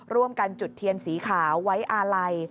ร่วมกันจุดเทียนสีขาวไว้อาลัย